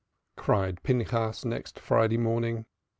cried Pinchas next Friday morning.